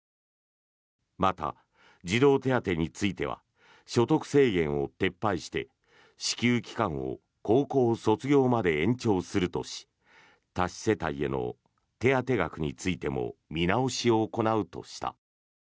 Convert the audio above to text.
また、児童手当については所得制限を撤廃して支給期間を高校卒業まで延長するとし多子世帯への手当額についても見直しを行うとした。